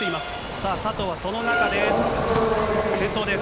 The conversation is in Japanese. さあ、佐藤はその中で先頭です。